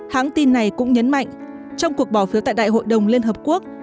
hãng tin này cũng nhấn mạnh trong cuộc bỏ phiếu tại đại hội đồng liên hợp quốc